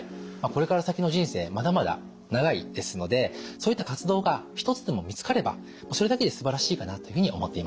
これから先の人生まだまだ長いですのでそういった活動が１つでも見つかればそれだけですばらしいかなというふうに思っています。